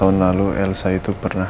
ada yang terserah